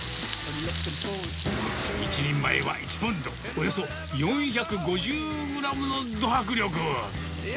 １人前は１ポンド、およそ４５０グラムのど迫力。